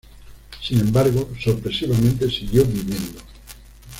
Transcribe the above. Sin embargo, sorpresivamente siguió viviendo.